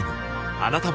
あなたも